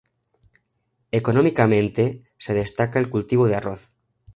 Económicamente, se destaca el cultivo de arroz.